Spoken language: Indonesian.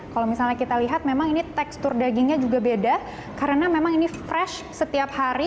kalau misalnya kita lihat memang ini tekstur dagingnya juga beda karena memang ini fresh setiap hari